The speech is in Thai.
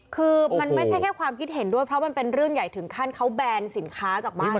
คือมันไม่ใช่แค่ความคิดเห็นด้วยเพราะมันเป็นเรื่องใหญ่ถึงขั้นเขาแบนสินค้าจากบ้าน